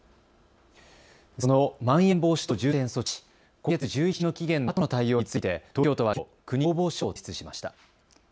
その、まん延防止等重点措置、今月１１日の期限のあとの対応について東京都はきょう、国に要望書を提出しました。